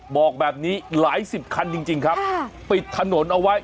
บอกแบบนี้หลายสิบคันจริงครับปิดถนนเอาไว้